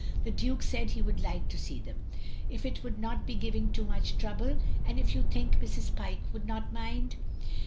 The Duke said he would like to see them. If it would not be giving too much trouble, and if you think Mrs. Pyke would not mind?"